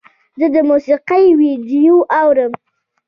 زه د موسیقۍ ویډیو اورم.